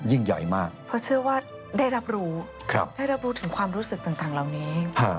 เพราะเชื่อว่าได้รับรู้ถึงความรู้สึกต่างเหล่านี้